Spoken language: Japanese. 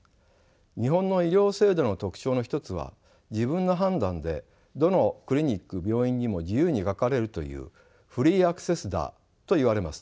日本の医療制度の特徴の一つは自分の判断でどのクリニック病院にも自由にかかれるというフリーアクセスだと言われます。